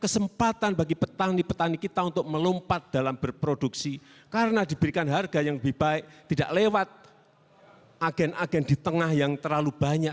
kesempatan bagi petani petani kita untuk melompat dalam berproduksi karena diberikan harga yang lebih baik tidak lewat agen agen di tengah yang terlalu banyak